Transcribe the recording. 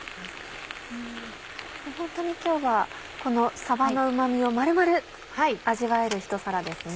ホントに今日はこのさばのうま味を丸々味わえるひと皿ですね。